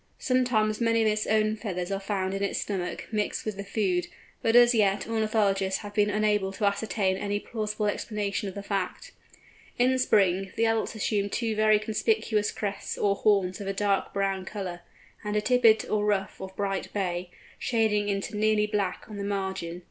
Sometimes many of its own feathers are found in its stomach, mixed with the food, but as yet ornithologists have been unable to assign any plausible explanation of the fact. In Spring, the adults assume two very conspicuous crests or horns of a dark brown colour, and a tippet or ruff of bright bay, shading into nearly black on the margin.